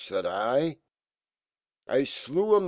* Said I " I slewa.